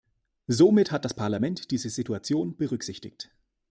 Somit hat das Parlament diese Situation berücksichtigt.